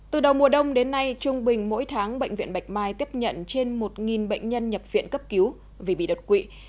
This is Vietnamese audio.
từ đầu mùa đông đến nay trung bình mỗi tháng bệnh viện bạch mai tiếp nhận trên một bệnh nhân nhập viện cấp cứu vì bị đột quỵ